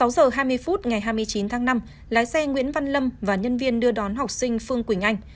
sáu giờ hai mươi phút ngày hai mươi chín tháng năm lái xe nguyễn văn lâm và nhân viên đưa đón học sinh phương quỳnh anh